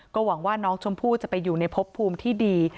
หวังว่าน้องชมพู่จะไปอยู่ในพบภูมิที่ดี